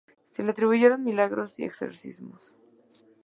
Se le atribuyeron milagros y exorcismos.